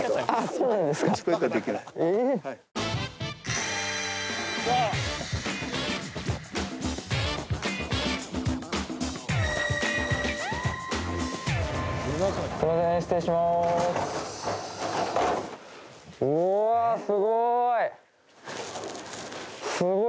うわっすごい！